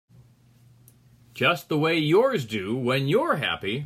Just the way yours do when you're happy.